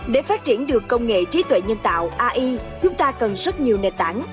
để phát triển được công nghệ trí tuệ nhân tạo ai chúng ta cần rất nhiều nền tảng